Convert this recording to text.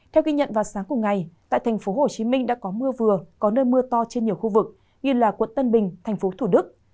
theo ghi nhận vào sáng cùng ngày tại tp hcm đã có mưa vừa có nơi mưa to trên nhiều khu vực như quận tân bình tp thủ đức